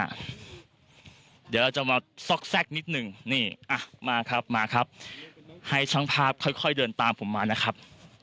เดี๋ยวเราจะมาซอกแทรกนิดหนึ่งนี่อ่ะมาครับมาครับให้ช่างภาพค่อยเดินตามผมมานะครับ